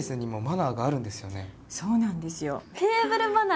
そうなんですよ。